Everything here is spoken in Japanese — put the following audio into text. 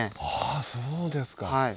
あそうですか。はい。